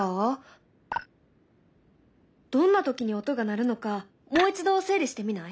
どんな時に音が鳴るのかもう一度整理してみない？